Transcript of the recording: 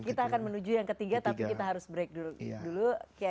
kita akan menuju yang ketiga tapi kita harus break dulu